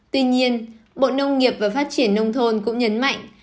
tuy nhiên bộ nông nghiệp và phát triển nông thôn cũng nhấn mạnh